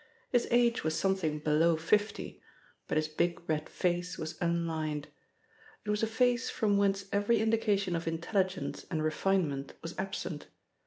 His age was something below fifty, but his big red face was unlined. It was a face from whence every indication of intelligence and refinement was absent.